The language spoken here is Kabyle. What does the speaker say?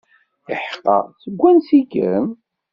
Iḥeqqa, seg wansi-kem?